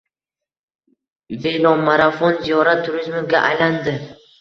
Velomarafon “Ziyorat turizmi”ga aylandi